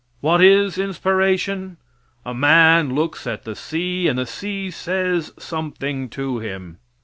What is inspiration? A man looks at the sea, and the sea says something to him.